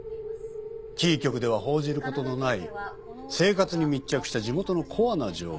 キー局では報じることのない生活に密着した地元のコアな情報です。